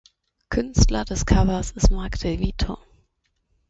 Künstler des Covers ist Mark De Vito.